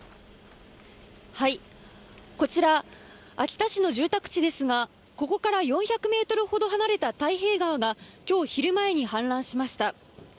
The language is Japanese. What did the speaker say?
こちら、秋田市の住宅地ですが、ここから４００メートルほど離れた太平川がきょう昼前に氾濫しました。